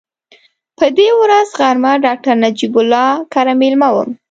په دې ورځ غرمه ډاکټر نجیب الله کره مېلمه وم.